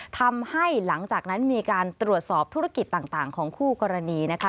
ทำให้หลังจากนั้นมีการตรวจสอบธุรกิจต่างของคู่กรณีนะคะ